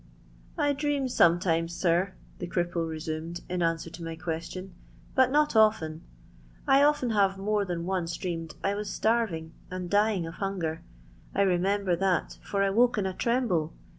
'* 1 dream sometimes, sir," the cripple resomsd in answer to my question, "but not often. I often have more than once dreamed I was starving and dying of hunger. I remember that, for I woke in a tremble.